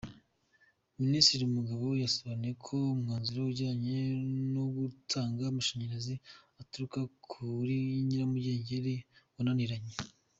Minisitiri Mugabo yasobanuye ko umwanzuro ujyanye no gutanga amashanyarazi aturuka kuri nyiramugengeri wananiranye.